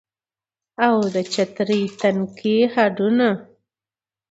او د چترۍ تنکي هډونه